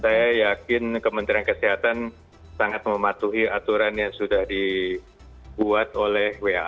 saya yakin kementerian kesehatan sangat mematuhi aturan yang sudah dibuat oleh wa